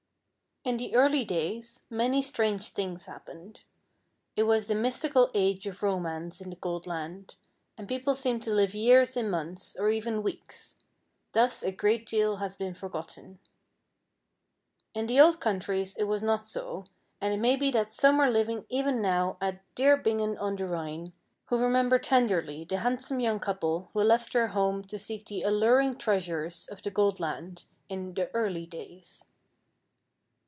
In the early days, many strange things happened. It was the mystical age of romance in the Gold Land, and people seemed to live years in months, or even weeks. Thus a great deal has been forgotten. In the old countries it was not so, and it may be that some are living even now at "dear Bingen on the Rhine," who remember tenderly the handsome young couple who left their home to seek the alluring treasures of the Gold Land in "the early days."